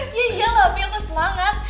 iya iya lah tapi aku semangat